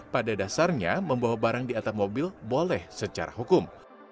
pada dasarnya membawa barang di atap mobil boleh secara hukum